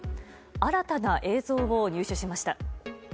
新たな映像を入手しました。